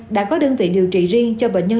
đã có đơn vị điều trị riêng cho bệnh nhân